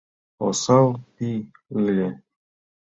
— Осал пий ыле.